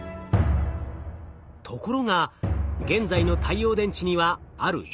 ところが現在の太陽電池にはある弱点が。